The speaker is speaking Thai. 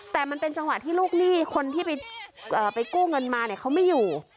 แต่มันเป็นจังหวะที่ลูกหนี้คนที่ไปกู้เงินมาเนี่ยเขาไม่อยู่